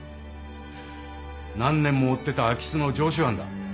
何年も追ってた空き巣の常習犯だ。